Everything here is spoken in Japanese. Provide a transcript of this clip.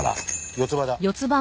四つ葉だ。